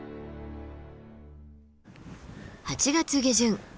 ８月下旬。